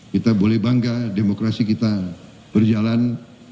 kita boleh bangga demokrasi kita berjalan